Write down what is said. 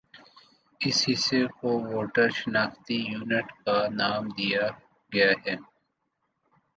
اس حصہ کو ووٹر شناختی یونٹ کا نام دیا گیا ہے